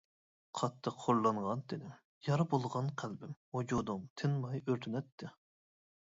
قاتتىق خورلانغان تېنىم، يارا بولغان قەلبىم. ۋۇجۇدۇم تىنماي ئۆرتىنەتتى.